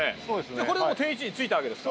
じゃあこれでもう定位置に着いたわけですか？